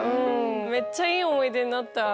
めっちゃいい思い出になった。